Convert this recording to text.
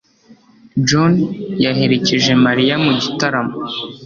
John yaherekeje Mariya mu gitaramo